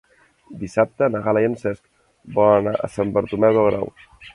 Dissabte na Gal·la i en Cesc volen anar a Sant Bartomeu del Grau.